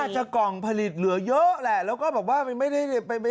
น่าจะกล่องผลิตเหลือเยอะแหละแล้วก็บอกว่ามันไม่ได้เอาไปใส่